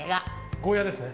ゴーヤですね。